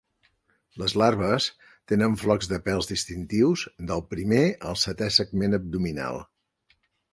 Les larves tenen flocs de pèls distintius del primer al setè segment abdominal.